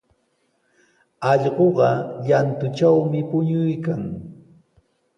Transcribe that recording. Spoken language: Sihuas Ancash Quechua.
Allquqa llantutrawmi puñuykan.